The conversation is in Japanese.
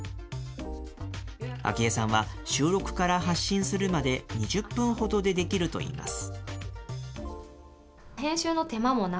あきえさんは収録から発信するまで、２０分ほどでできるといいます。